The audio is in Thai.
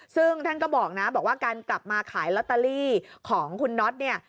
ซึ่งท่านก็บอกนะบอกว่าการกลับมาขายลอตเตอรี่ของคุณน็อตเนี่ย